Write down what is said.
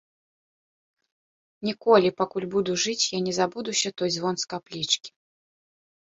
Ніколі, пакуль буду жыць, я не забудуся той звон з каплічкі.